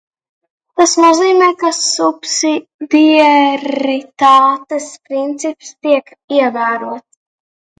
Tas nozīmē, ka subsidiaritātes princips tiek ievērots.